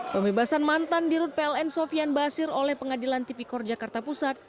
pembebasan mantan dirut pln sofian basir oleh pengadilan tipikor jakarta pusat